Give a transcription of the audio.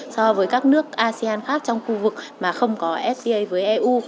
so với các nước asean khác trong khu vực mà không có fda với eu